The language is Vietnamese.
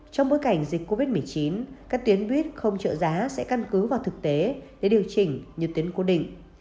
trong bối cảnh dịch covid một mươi chín các tuyến buýt không trợ giá sẽ căn cứ vào thực tế để điều chỉnh như tuyến cố định